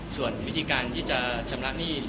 ส่วนวิธีการที่จะชำระหนี้